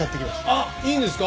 あっいいんですか？